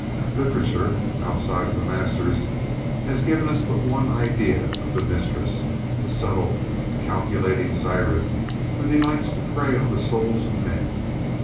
Literature, outside of the masters, has given us but one idea of the mistress, the subtle, calculating siren who delights to prey on the souls of men.